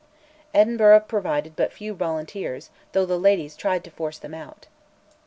Edinburgh provided but few volunteers, though the ladies tried to "force them out."